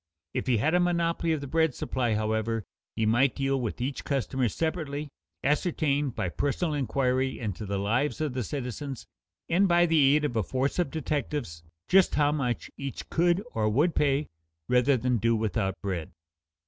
If he had a monopoly of the bread supply, however, he might deal with each customer separately, ascertain, by personal inquiry into the lives of the citizens and by the aid of a force of detectives, just how much each could or would pay rather than do without bread.